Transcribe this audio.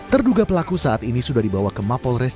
terduga pelaku saat ini sudah dibawa ke mapolres